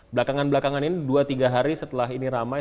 belakangan belakangan ini dua tiga hari setelah ini ramai